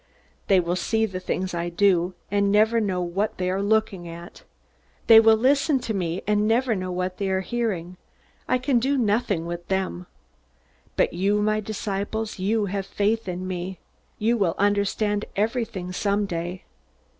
They will see the things I do, and never even know what they are looking at. They will listen to me, and never know what they are hearing. I can do nothing with them. But you my disciples you have faith in me. You will understand everything someday."